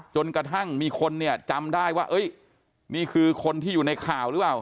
จนกระทั่งมีคนเนี่ยจำได้ว่านี่คือคนที่อยู่ในข่าวหรือเปล่า